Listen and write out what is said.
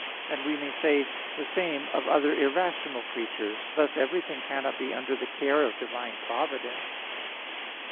']": and we may say the same of other irrational creatures. Thus everything cannot be under the care of divine providence.